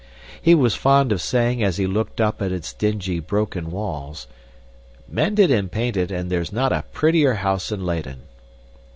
He was fond of saying as he looked up at its dingy, broken walls, "Mend it and paint it, and there's not a prettier house in Leyden."